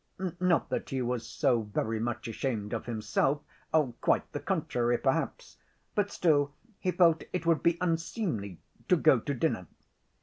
Not that he was so very much ashamed of himself—quite the contrary perhaps. But still he felt it would be unseemly to go to dinner.